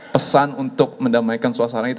pesan untuk mendamaikan suasana itu